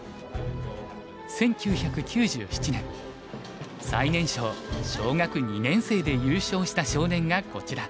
１９９７年最年少小学２年生で優勝した少年がこちら。